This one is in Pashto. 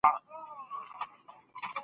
زه به اوږده موده د سبا پلان جوړ کړم.